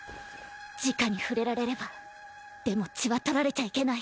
直に触れられればでも血は取られちゃいけない！